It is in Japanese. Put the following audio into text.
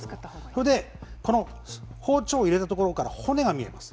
それでこの包丁を入れたところから骨が見えます。